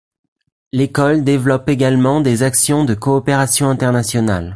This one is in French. L’École développe également des actions de coopération internationale.